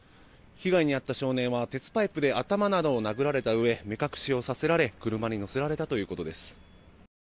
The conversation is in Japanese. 被害に遭った少年は鉄パイプで頭などを殴られたうえ目隠しをさせられ車に乗せられたということです。